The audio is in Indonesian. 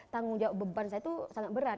tanggung jawab beban saya itu sangat berat